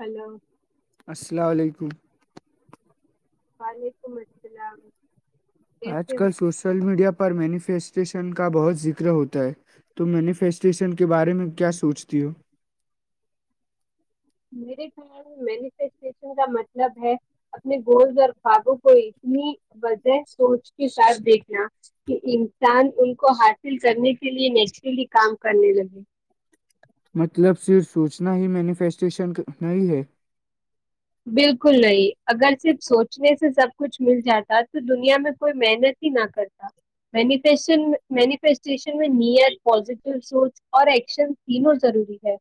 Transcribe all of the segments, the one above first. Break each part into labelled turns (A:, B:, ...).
A: Hello
B: السلام علیکم
A: وعلیکم السلام
B: آج
A: کیسے ہو
B: کل سوشل میڈیا پر مینیفیسٹیشن کا بہت ذکر ہوتا ہے توم مینیفیسٹیشن کے بارے میں کیا سوچتی ہو
A: میرے خیال میں مینیفسٹیشن کا مطلب ہے اپنے گولز اور خوابوں کو اتنی وجہ سوچ کے ساتھ دیکھنا کہ انسان ان کو حاصل کرنے کے لیے نیچرلی کام کرنے لگے
B: مطلب صرف سوچنا ہی مینیفیسٹیشن نہیں ہے
A: بالکل نہیں اگر صرف سوچنے سے سب کچھ مل جاتا تو دنیا میں کوئی محنت ہی نہ کرتا مینف مینیفیسٹیشن میں نیت پزیٹو سوچ اور ایکشن تینوں ضروری ہے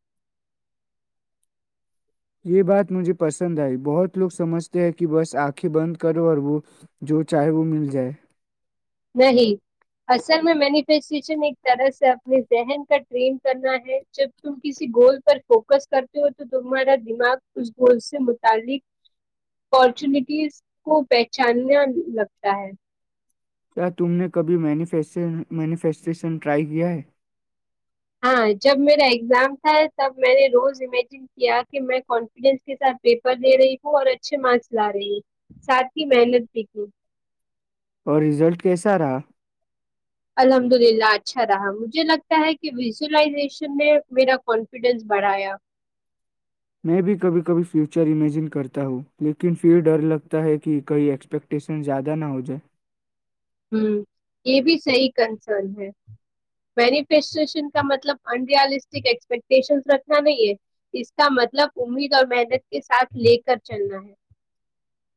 B: یہ بات مجھے پسند آئی بہت لوگ سمجھتے ہیں کہ بس آنکھیں بند کرو اور وہ جو چاہے وہ مل جائے
A: نہیں اصل میں مینیفسٹیشن ایک طرح سے اپنے ذہن کا ٹرین کرنا ہے جب تم کسی گول پر فوکس کرتے ہو تو تمہارا دماغ اس گول سے متعلق اپارچونیٹیز کو پہچاننا لگتا ہے
B: کیا تم نے کبھی مینیفیسٹیشن ٹرائی کیا ہے
A: ہاں جب میرا ایگزام تھا تب میں نے روز امیجن کیا کہ میں کانفیڈینس کے ساتھ پیپر دے رہی ہوں اور اچھے مارکس لا رہی ہ ساتھ ہی محنت بھی کی
B: اور رزلٹ کیسا رہا؟
A: الحمد للہ اچھا رہا مجھے لگتا ہے کہ ویزولائزیشن نے میرا کانفیڈینس بڑھایا
B: میں بھی کبھی کبھی فیوچر امیجن کرتا ہوں لیکن پھر ڈر لگتا ہے کہ کئی ایکسپیکٹیشن زیادہ نہ ہو جائے
A: ہ یہ بھی صحی کنسرن ہے مینیفسٹیشن کا مطلب ان ریالسٹک ایکسپیکٹیشن رکھنا نہیں ہے اس کا مطلب امید اور محنت کے ساتھ لے کر چلنا ہے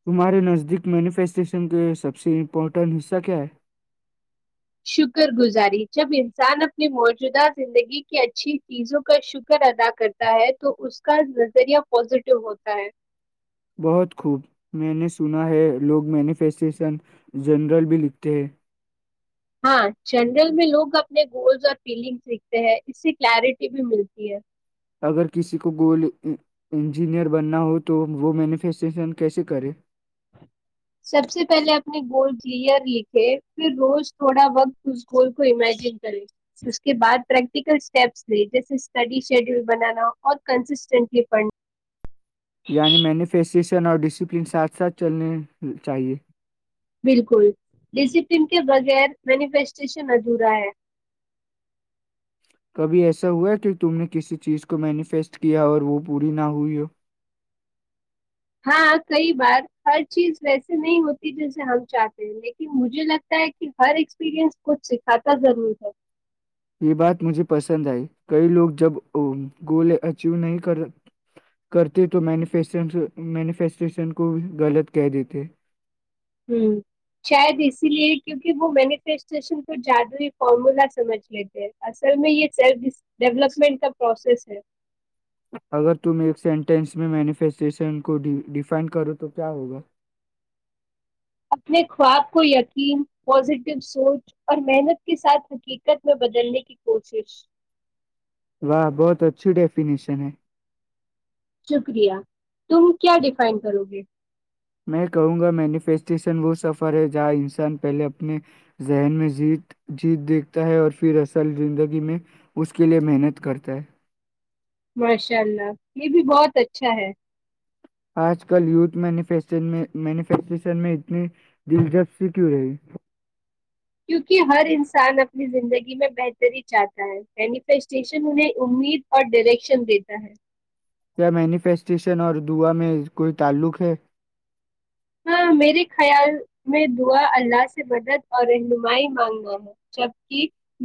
B: تمہارے نزدیک مینیفیسٹیشن کے سب سے امپورٹنٹ حصہ کیا ہے
A: شکر گزاری جب انسان اپنی موجودہ زندگی کی اچھی چیزوں کا شکر ادا کرتا ہے تو اس کا نظریہ پازیٹو ہوتا ہے
B: بہت خوب میں نے سنا ہے لوگ مینیفیسٹیشن جنرل بھی لکھتے ہیں
A: ہاں جنرل میں لوگ اپنے گولس اور فیلنگس دکھتے ہیں اس سے کلیرٹی بھی ملتی ہے
B: اگر کسی کو گول انجینئر بننا ہو تو وہ مینیفیسٹیشن کیسے کرے
A: سب سے پہلے اپنے گول کلیئر لکھے پھر روز تھوڑا وقت اس گول کو امیجن کرے اس کے بعد پریکٹیکل اسٹیپس لے جیسے اسٹڈی شیڈیول بنانا اور کنسسٹینٹلی پڑھنا
B: عنی مینوفیسریشن اور ڈسپلین ساتھ ساتھ چلنے چاہیے
A: بالکل ڈسپلن کے بغیر مینیفیسٹیشن ادھورا ہے
B: بھی ایسا ہوا کہ تم نے کسی چیز کو مینیفیسٹ کیا اور وہ پوری نہ ہوئی ہو
A: ہاں کئی بار ہر چیز ویسے نہیں ہوتی جیسے ہم چاہتے ہیں لیکن مجھے لگتا ہے کہ ہر ایکسپیرئنس کچھ سکھاتا ضرور ہے
B: یہ بات مجھے پسند آئی کئی لوگ جب گول اچیو نہیں کرتے تو مینیفیسٹیشن کو غلط کہہ دیتے
A: ہ شاید اسی لیے کیونکہ وہ مینیفیسٹیشن کو جادوئی فارمولا سمجھ لیتے ہیں اصل میں یہ سیلف ڈیولپمنٹ کا پروسیس ہے
B: اگر تم ایک سینٹینس میں مینیفیسٹیشن کو ڈیفائن کرو تو کیا ہوگا
A: اپنے خواب کو یقین پازیٹو سوچ اور محنت کے ساتھ حقیقت میں بدلنے کی کوشش
B: واہ بہت اچھی ڈیفینیشن ہے
A: شکریہ تم کیا ڈیفائن کرو گے
B: میں کہوں گا مینیفیسٹیشن وہ سفر ہے جہاں انسان پہلے اپنے ذہن میں جیت دیکھتا ہے اور پھر اصل زندگی میں اس کے لئے محنت کرتا ہے
A: ماشاء اللہ یہ بھی بہت اچھا ہے
B: آج کل یوتھ مینوفیکچرشن میں اتنی دلچسپی کیوں رہی
A: کیونکہ ہر انسان اپنی زندگی میں بہتری چاہتا ہے مینیفیسٹیشن انہیں امید اور ڈامیریکشن دیتا ہے
B: کیا مینیفیسٹیشن اور دعا میں کوئی تعلق ہے
A: ہاں میرے خیال میں دعا اللہ سے مدد اور رہنمائی مانگنا ہے جبک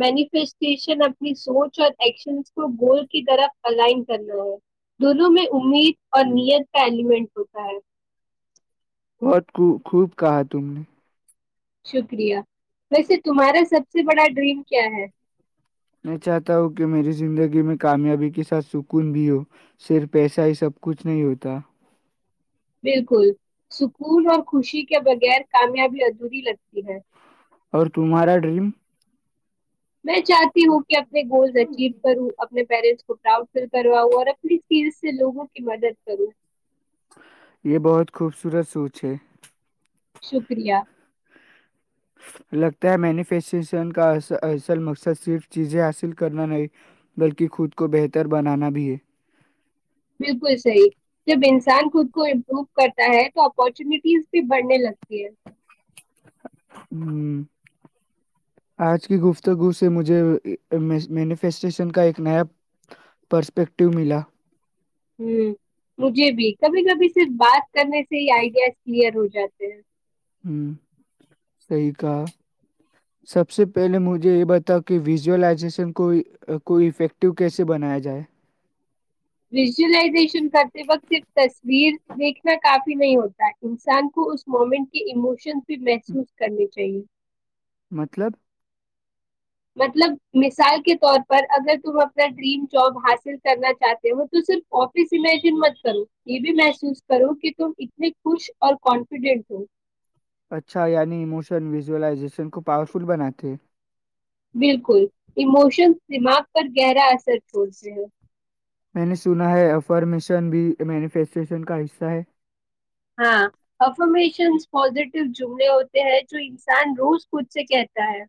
A: مینیفسٹیشن اپنی سوچ اور ایکشن کو گول کی طرف الائن کرنا ہے دونوں میں امید اور نیت کا ایلیمنٹ ہوتا ہے
B: بہت خوب کہا تم نے
A: شکریہ ویسے تمہارا سب سے بڑا ڈریم کیا ہے
B: میں چاہتا ہوں کہ میری زندگی میں کامیابی کے ساتھ سکون بھی ہو صرف پیسہ ہی سب کچھ نہیں ہوتا
A: بالکل سکون اور خوشی کے بغیر کامیابی ادھوری لگتی ہے
B: اور تمہارا ڈریم
A: میں چاہتی ہوں کہ اپنے گولز اچیو کرو اپنے پیرنٹس کو پراؤڈ فیل کرواؤ اور اپنی چیز سے لوگوں کی مدد کروں
B: یہ بہت خوبصورت سوچ ہے
A: شکریہ
B: لگتا ہے مینیفیسٹریشن کا اصل مقصد صرف چیزیں حاصل کرنا نہیں بلکہ خود کو بہتر بنانا بھی ہے
A: بالکل صحیح جب انسان خود کو امپروو کرتا ہے تو اپارچونیٹیز بھی بڑھنے لگتی ہے
B: ہ آج کی گفتگو سے مجھے مینیفسٹیشن کا ایک نیا پرسپیکٹیو ملا
A: ہ مجھے بھی کبھی کبھی صرف بات کرنے سے ہی آئیڈیاز کلیئر ہو جاتے ہیں
B: ہ صحیح کہا سب سے پہلے مجھے یہ بتاؤ کہ ویزولائزیشن کو کو افیکٹیو کیسے بنایا جائے
A: ویژولائزیشن کرتے وقت صرف تصویر دیکھنا کافی نہیں ہوتا انسان کو اس مومنٹ کے اموشن بھی محسوس کرنی چاہیے
B: مطلب
A: مطلب مثال کے طور پر اگر تم اپنا ڈریم جاب حاصل کرنا چاہتے ہو تو صرف آفس امیجن مت کرو یہ بھی محسوس کرو کہ تم اتنے خوش اور کانفیڈینٹ ہو
B: اچھا یعنی ایموشن ویژولائزیشن کو پاورفل بناتے
A: بالکل ایموشنز دماغ پر گہرا اثر چھوڑتے ہیں
B: میں نے سنا ہے افارمیشن بھی مینیفیسٹیشن کا حصہ ہے
A: ہاں افمیشنس پزیٹیو جملے ہوتے ہیں جو انسان روز خود سے کہتا ہے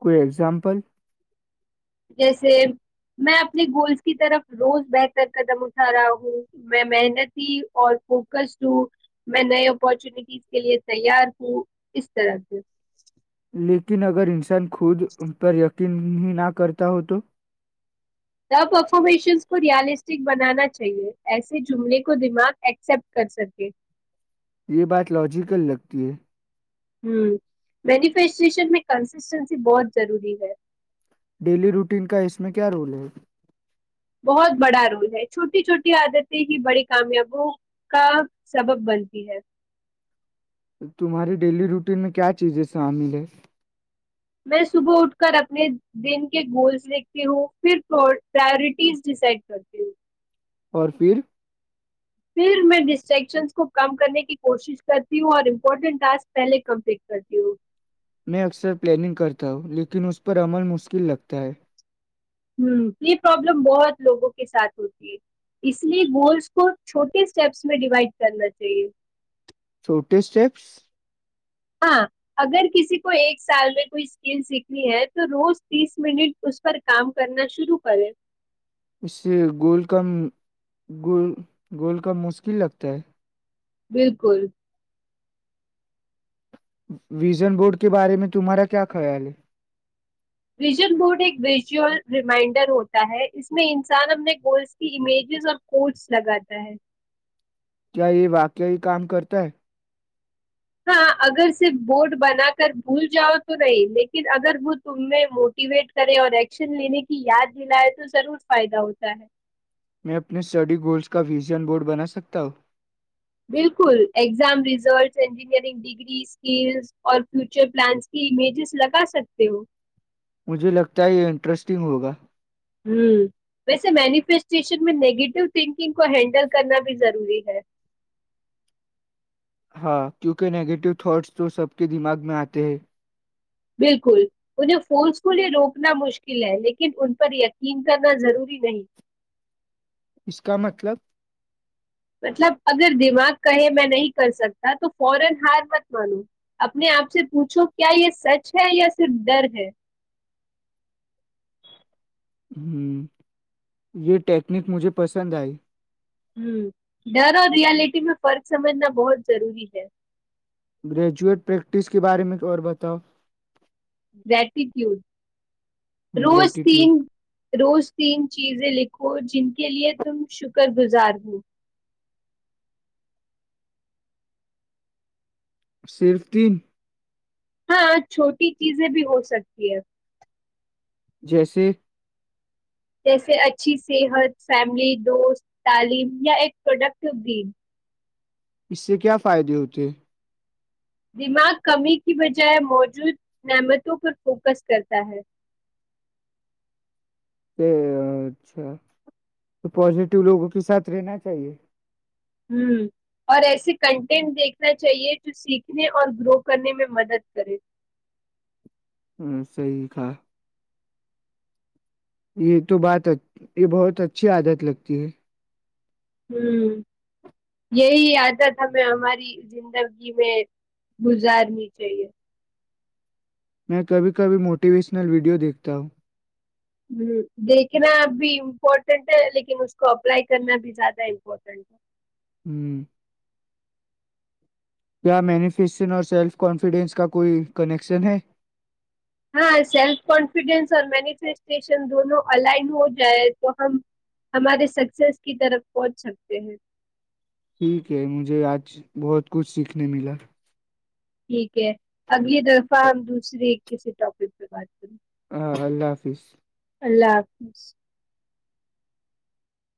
B: کوئی ایگزامپل
A: جیسے میں اپنے گولس کی طرف روز بہتر قدم اٹھا رہا ہوں میں محنتی اور فوکس ہوں میں نئے اپارچونیٹیز کے لیے تیار ہوں اس طرح سے
B: لیکن اگر انسان خود ان پر یقین ہی نہ کرتا ہو تو
A: ت پرفارمیشنز کو ریالسٹک بنانا چاہیئے ایسے جملے کو دماغ ایکسپٹ کر سکے
B: یہ بات لاجیکل لگتی ہے
A: ہ مینیفیسٹشن میں کنسسٹینسی بہت ضروری ہے
B: ڈیلی روٹین کا اس میں کیا رول ہے
A: بہت بڑا رول ہے چھوٹی چھوٹی عادتیں ہی بڑی کامیابوں کا سبب بنتی ہے
B: تمہاری ڈیلی روٹین میں کیا چیزیں شامل ہے
A: میں صبح اٹھ کر اپنے دین کے گولس دیکھتی ہوں پھر پرورٹیز ڈیسائڈ کرتی ہوں
B: اور پھر
A: پھر میں ڈسٹریکشنز کو کم کرنے کی کوشش کرتی ہوں اور امپورٹنٹ ٹاسک پہلے کمپلیٹ کرتی ہوں
B: میں اکثر پلاننگ کرتا ہوں لیکن اس پر عمل مشکل لگتا ہے
A: ہ تو یہ پرابلم بہت لوگوں کے ساتھ ہوتی ہے اس لیے گولس کو چھوٹے اسٹیپس میں ڈیوائڈ کرنا چاہیے
B: چھوٹے اسٹیپس
A: ہاں اگر کسی کو ایک سال میں کوئی اسکل سیکھنی ہے تو روز تیس منٹ اس پر کام کرنا شروع کرے
B: اس سے گ گول کا مشکل لگتا ہے
A: بالکل
B: ویژن بورڈ کے بارے میں تمہارا کیا خیال ہے
A: ویژن بورڈ ایک ویژئل ریمائنڈر ہوتا ہے اس میں انسان اپنے گولز کی امیجز اور کوڈز لگاتا ہے
B: کیا یہ واقعی کام کرتا ہے
A: ہاں اگر صرف بورڈ بنا کر بھول جاؤ تو نہیں لیکن اگر وہ تم میں موٹیویٹ کرے اور ایکشن لینے کی یاد دلائے تو ضرور فائدہ ہوتا ہے
B: میں اپنے اسٹڈی گولز کا ویژن بورڈ بنا سکتا ہوں
A: بالکل exam result engineering degree skills اور فیوچر پلانز کی امیجز لگا سکتے ہو
B: مجھے لگتا ہے یہ انٹرسٹنگ ہوگا
A: ہ ویسے مینیفیسٹیشن میں نیگیٹو تھنکنگ کو ہینڈل کرنا بھی ضروری ہے
B: ہاں کیونکہ نیگیٹو تھاٹس تو سب کے دماغ میں آتے ہیں
A: بالکل انہیں فونس کو لئے روکنا مشکل ہے لیکن ان پر یقین کرنا ضروری نہیں
B: اس کا مطلب
A: مطلب اگر دماغ کہے میں نہیں کر سکتا تو فورا ہار مت مانو اپنے آپ سے پوچھو کیا یہ سچ ہے یا صرف ڈر ہے
B: ہوں یہ ٹیکنیک مجھے پسند آئی
A: ہ ڈر اور ریالٹی میں فرق سمجھنا بہت ضروری ہے
B: گریجویٹ پریکٹس کے بارے میں اور بتاؤ
A: گٹیٹیوڈ روز تین
B: گریٹیٹیوڈ
A: روز تین چیزیں لکھ ہو جن کے لیے تم شکر گزار ہو
B: صرف تین
A: ہاں چھوٹی چیزیں بھی ہو سکتی ہے
B: جیسے
A: جیسے اچھی صحت فیملی دوست تعلیم یا ایک پروڈکٹیو گم
B: اس سے کیا فائدے ہوتے؟
A: دماغ کمی کی بجائے موجود نعمتوں پر فوکس کرتا ہے
B: اچھا تو پازیٹیو لوگوں کے ساتھ رہنا چاہیے
A: ہ اور ایسے کنٹینٹ دیکھنا چاہیے جو سیکھنے اور گرو کرنے میں مدد کرے
B: صحی تھا یہ تو بات ا یہ بہت اچھی عادت لگتی ہے
A: ہوں یہی عادت ہمیں ہماری زندگی میں گزارنی چاہیے
B: میں کبھی کبھی موٹیویشنل ویڈیو دیکھتا ہوں
A: ہ دیکھنا ا بھی امپورٹینٹ ہے لیکن اس کو اپلائی کرنا بھی زیادہ امپورٹینٹ ہے
B: ہوں کیا مینیفسشن اور سیلف کانفیڈنس کا کوئی کنیکشن ہے
A: ہاں سیلف کانفیڈینس اور مینیفیسٹیشن دونوں الائن ہو جائے تو ہم ہمارے سکسیس کی طرف پہنچ سکتے ہیں
B: ٹھیک ہے مجھے آج بہت کچھ سیکھنے ملا
A: ٹھیک ہے اگلی طرفہ
B: آ-
A: ہم دوسری کسی ٹاپک پہ بات کروں
B: ہاں اللہ حافظ
A: اللہ حافظ